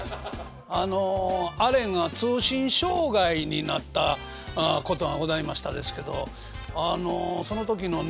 あのあれが通信障害になったことがございましたですけどその時のね